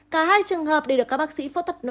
cả hai trường hợp đều được các bác sĩ phốt tập nội dung